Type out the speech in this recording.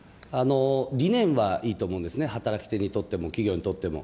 理念はいいと思うんですね、働き手にとっても、企業にとっても。